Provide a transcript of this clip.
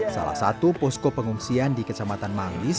salah satu posko pengungsian di kecamatan manggis